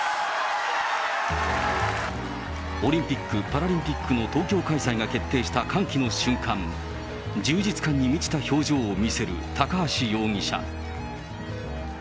オリンピック・パラリンピックの東京開催が決定した歓喜の瞬間、充実感に満ちた表情を見せる高橋容疑者。